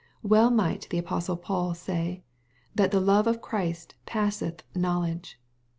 Well might the apostle Paul say, that the love of Christ passett knowledge."